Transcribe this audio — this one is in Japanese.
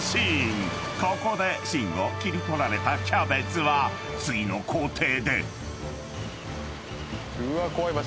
［ここで芯を切り取られたキャベツは次の工程で］